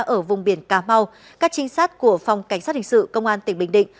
ở vùng biển cà mau các trinh sát của phòng cảnh sát hình sự công an tỉnh bình định